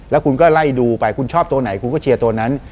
แล้วคุณก็ไล่ดูไปคุณชอบตัวไหนคุณก็เชียร์ตัวนั้น